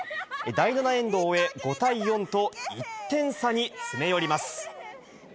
第７エンドを終え、５対４と１点差に詰め寄ります。